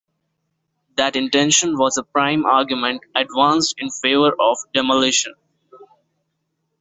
That intention was a prime argument advanced in favour of the demolition.